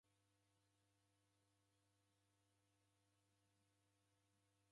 W'andu w'engi w'ezighirilwa kukaia w'ahalifu.